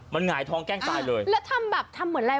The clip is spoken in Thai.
มันหงายท้องแกล้งตายเลยแล้วทำแบบทำเหมือนอะไร